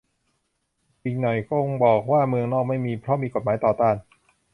อีกหน่อยคงบอกว่าเมืองนอกไม่มี เพราะมีกฎหมายต่อต้าน